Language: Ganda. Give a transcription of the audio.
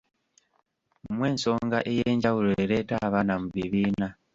Mmwe nsonga ey'enjawulo ereeta abaana mu bibiina.